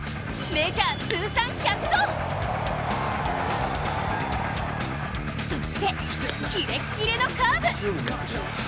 メジャー通算１００号そしてキレキレのカーブ。